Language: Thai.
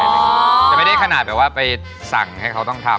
แต่ไม่ได้ขนาดแบบว่าไปสั่งให้เขาต้องทำ